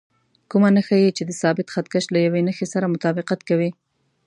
کومه نښه یې چې د ثابت خط کش له یوې نښې سره مطابقت کوي.